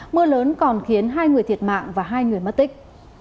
mưa lớn còn khiến hai người thiệt mạng và hai người mất tích